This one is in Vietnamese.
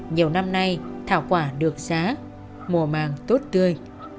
nhiều năm nay thảo quả được giá mùa màng tốt tươi